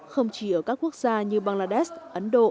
không chỉ ở các quốc gia như bangladesh ấn độ